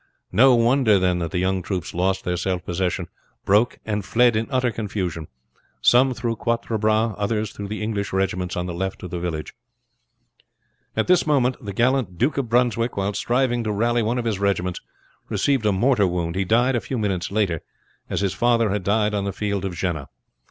No wonder then that the young troops lost their self possession, broke, and fled in utter confusion, some through Quatre Bras others through the English regiments on the left of the village. At this moment the gallant Duke of Brunswick, while striving to rally one of his regiments, received a mortar wound. He died a few minutes later, as his father had died on the field of Jena.